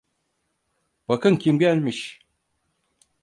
Bakın kim gelmiş.